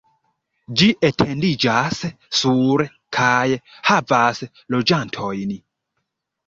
Ĝi etendiĝas sur kaj havas loĝantojn.